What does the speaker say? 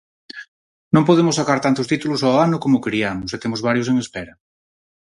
Non podemos sacar tantos títulos ao ano como queriamos e temos varios en espera.